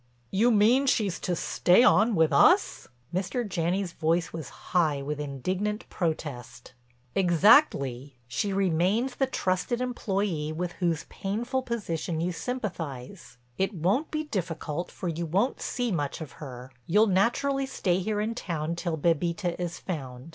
"You mean she's to stay on with us?" Mr. Janney's voice was high with indignant protest. "Exactly—she remains the trusted employee with whose painful position you sympathize. It won't be difficult, for you won't see much of her. You'll naturally stay here in town till Bébita is found.